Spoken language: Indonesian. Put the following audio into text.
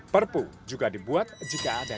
perpu juga dibuat jika ada